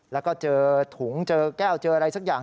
แล้วก็เจอถุงเจอแก้วเจออะไรสักอย่าง